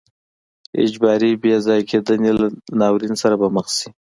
اجباري بې ځای کېدنې له ناورین سره به مخ شي.